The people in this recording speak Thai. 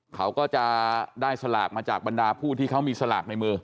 เขาก็จะได้สลากมาจากบรรดาผู้ที่เขามีสลากในมือ